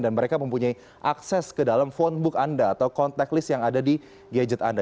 dan mereka mempunyai akses ke dalam phonebook anda atau contact list yang ada di gadget anda